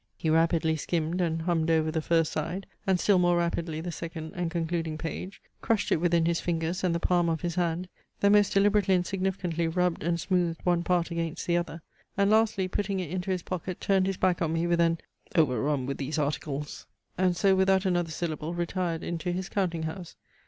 He rapidly skimmed and hummed over the first side, and still more rapidly the second and concluding page; crushed it within his fingers and the palm of his hand; then most deliberately and significantly rubbed and smoothed one part against the other; and lastly putting it into his pocket turned his back on me with an "over run with these articles!" and so without another syllable retired into his counting house.